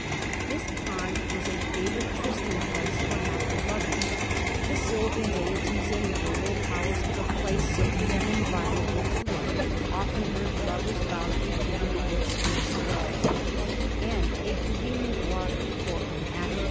This pond was a favourite trysting place for happy lovers —' the sylvan deities and rural powers of the place sacred and inviolable to love, often heard lovers' vows repeated by its streams and echoes' — and a convenient water for unhappy Digiti zed by Google 1714 ST. JAMES'S.